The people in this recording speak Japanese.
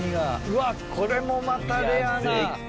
うわこれもまたレアな！